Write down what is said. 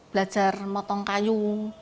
belajar motong kayu